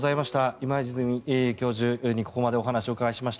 今泉教授にここまでお話を伺いました。